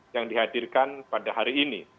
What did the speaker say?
yang dihadirkan pada hari ini